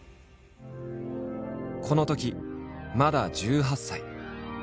このときまだ１８歳。